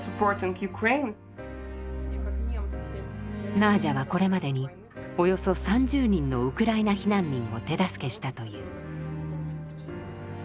ナージャはこれまでにおよそ３０人のウクライナ避難民を手助けしたという。